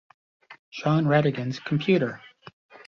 Shawn Ratigan's computer.